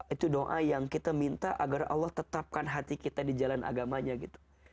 itu doa yang kita minta agar allah tetapkan hati kita di jalan agamanya gitu